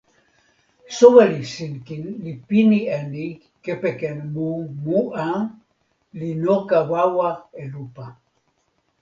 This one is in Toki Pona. soweli Sinkin li pini e ni kepeken mu mu a, li noka wawa e lupa.